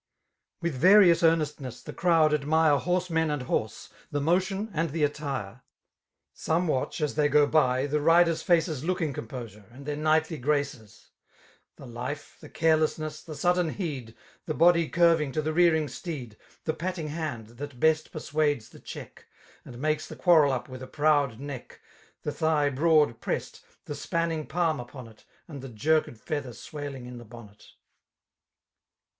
IB With various earnestness the crowd admire Horsemen and horse^ the motion and the attire. Some watch, as they go by, the riders' faces Looking composure, and their knightly graces 5 The life, the carelessness, the sud4en heed. The body curving to the rearing steed. The patting hand, that best persuades the check, / And makes the quarrel up with a proud neck, / The thigh broad pressed, the spanning palm upon it. And the jerked feather swaling in the bonnet.